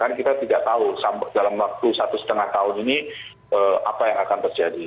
karena kita tidak tahu dalam waktu satu setengah tahun ini apa yang akan terjadi